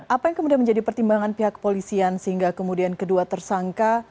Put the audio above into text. apa yang kemudian menjadi pertimbangan pihak polisian sehingga kemudian kedua tersangka